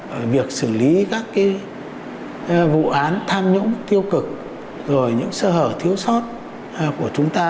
ở việc xử lý các cái vụ án tham nhũng tiêu cực rồi những sơ hở thiếu sót của chúng ta